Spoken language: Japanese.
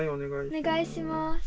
おねがいします。